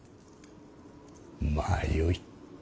まあよい。